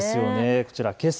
こちら、けさ